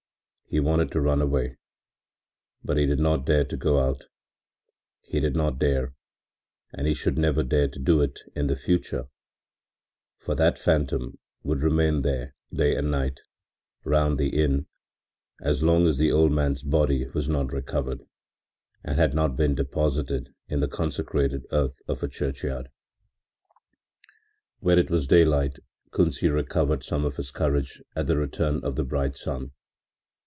He wanted to run away, but did not dare to go out; he did not dare, and he should never dare to do it in the future, for that phantom would remain there day and night, round the inn, as long as the old man's body was not recovered and had not been deposited in the consecrated earth of a churchyard. When it was daylight Kunsi recovered some of his courage at the return of the bright sun.